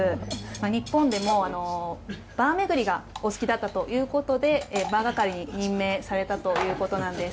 日本でもバー巡りがお好きだったということでバー係に任命されたということなんです。